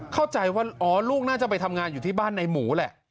เข้าใจว่าอ๋อลูกน่าจะไปทำงานอยู่ที่บ้านในหมูแหละ